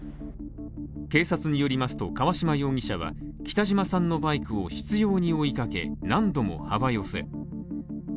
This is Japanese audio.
警察によりますと、川島陸容疑者は北島さんのバイクを執拗に追いかけ、何度も幅寄せ。